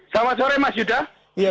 selamat sore mas yuda